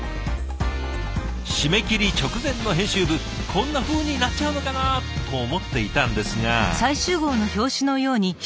締め切り直前の編集部こんなふうになっちゃうのかな？と思っていたんですが。